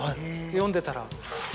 読んでたら。